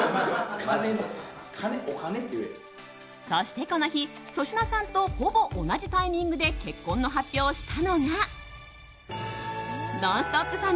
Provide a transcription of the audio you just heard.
そして、この日粗品さんとほぼ同じタイミングで結婚の発表をしたのが「ノンストップ！」